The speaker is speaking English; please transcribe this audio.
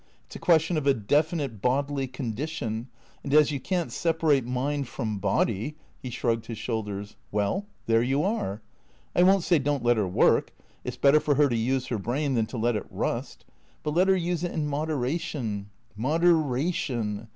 It 's a question of a definite bodily condition, and as you can't separate mind from body " (he shrugged his shoulders), "well — there you are. I won't say don't let her work; it's better for her to use her brain than to let it rust. But let her use it in moderation. Moder — ation.